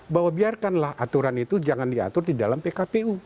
bahwa biarkanlah aturan itu jangan diatur di dalam pkpu